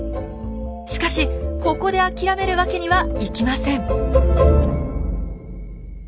しかしここで諦めるわけにはいきません。